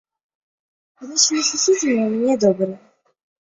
Адносіны з суседзямі ў мяне добрыя.